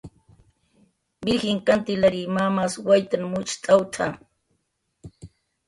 Virjin Kantilary mamas waytn mucht'awtna